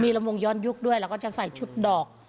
มีลำวงยอดยุคด้วยแล้วก็จะใส่ชุดดอก